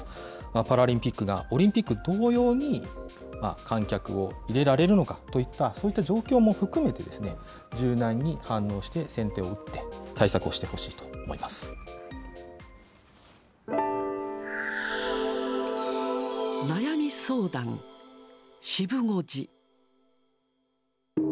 パラリンピックがオリンピック同様に観客を入れられるのかといった、そういった状況も含めて柔軟に対応して、先手を打って、対策悩み相談、渋護寺。